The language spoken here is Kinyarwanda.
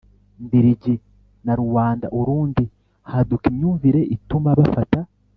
mbirigi na Ruanda Urundi haduka imyumvire ituma bafata